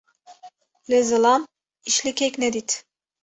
Li zilam îşlikek nedît.